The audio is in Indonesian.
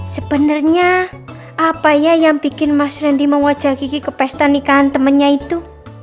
sebenarnya apa ya yang bikin mas randy mewajak kiki ke pesta nikahan temennya itu